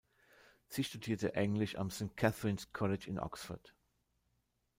Sie studierte Englisch am St Catherine's College in Oxford.